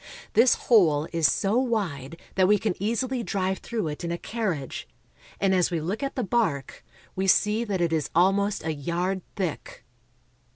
This hole is so wide that we can easily drive through it in a carriage, and as we look at the bark, we see that it is almost a yard thick.